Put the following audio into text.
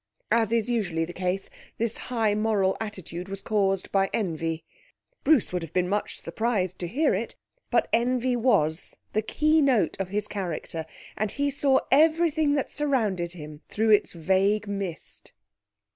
As is usually the case, this high moral attitude was caused by envy. Bruce would have been much surprised to hear it, but envy was the keynote of his character, and he saw everything that surrounded him through its vague mist.